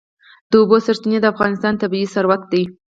د اوبو سرچینې د افغانستان طبعي ثروت دی.